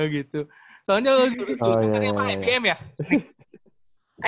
gitu soalnya lo jualan apa ibm ya